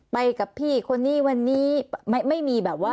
ไปกับพี่คนนี้วันนี้ไม่มีแบบว่า